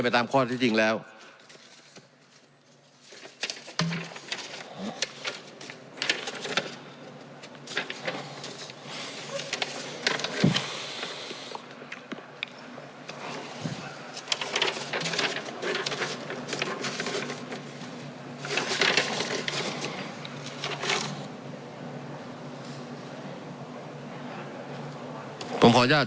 สำหรับสิ่งที่ไม่ต้องกดก็คือ๘๕๐๐บาท